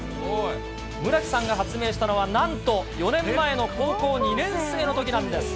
村木さんが発明したのは、なんと、４年前の高校２年生のときなんです。